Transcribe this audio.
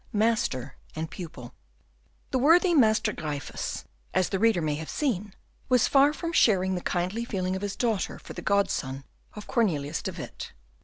Master and Pupil The worthy Master Gryphus, as the reader may have seen, was far from sharing the kindly feeling of his daughter for the godson of Cornelius de Witt.